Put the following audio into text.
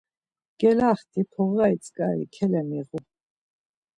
Gelaxt̆i, poğari tzǩari kelemiğu.